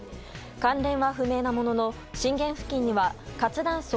関連は不明なものの震源付近には活断層